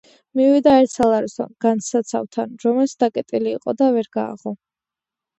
მივიდა ერთ სალაროსთან განძსაცავთან, რომელიც დაკეტილი იყო და ვერ გააღო;